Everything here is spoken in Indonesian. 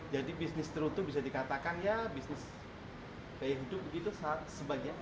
jadi bisnis cerutu bisa dikatakan ya bisnis gaya hidup begitu sebagian